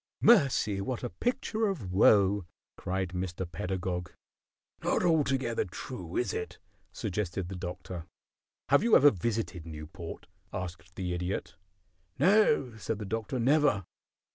"Mercy! What a picture of woe!" cried Mr. Pedagog. "Not altogether true, is it?" suggested the Doctor. "Have you ever visited Newport?" asked the Idiot. "No," said the Doctor, "never."